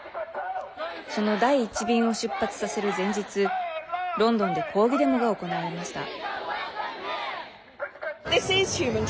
その第１便を出発させる前日ロンドンで抗議デモが行われました。